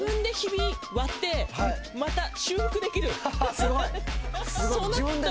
すごい！